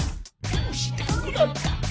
どうしてこうなった？」